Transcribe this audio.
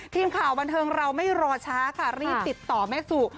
ทีมข่าวบันเทิงเราไม่รอช้าค่ะรีบติดต่อแม่สู่